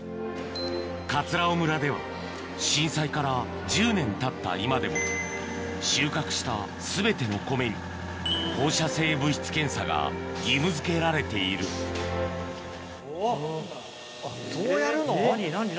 尾村では震災から１０年たった今でも収獲した全ての米に放射性物質検査が義務づけられているおっそうやるの？